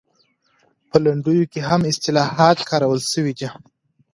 په لنډیو کې هم اصطلاحات کارول شوي دي